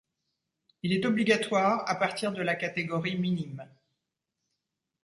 Il est obligatoire à partir de la catégorie minimes.